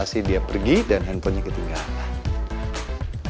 aplikasi dia pergi dan handphonenya ketinggalan